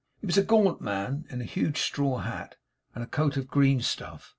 He was a gaunt man in a huge straw hat, and a coat of green stuff.